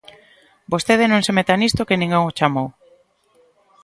Vostede non se meta nisto que ninguén o chamou.